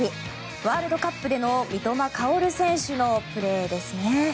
ワールドカップでの三笘薫選手のプレーですね。